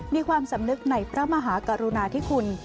มีความสำนึกในพระมหากรุณาธิคุณ